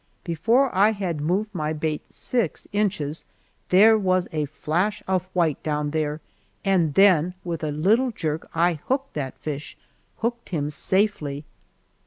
Before I had moved my bait six inches, there was a flash of white down there, and then with a little jerk I hooked that fish hooked him safely.